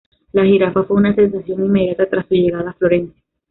La jirafa fue una sensación inmediata tras su llegada a Florencia.